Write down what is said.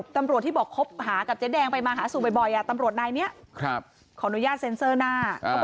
ตำรวจที่บอกคบหากับเจ๊แดงไปมาหาสู่บ่อยตำรวจนายนี้ขออนุญาตเซ็นเซอร์หน้า